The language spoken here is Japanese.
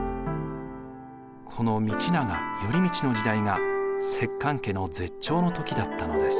この道長・頼通の時代が摂関家の絶頂の時だったのです。